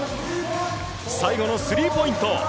最後のスリーポイント！